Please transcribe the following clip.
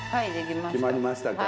決まりましたか？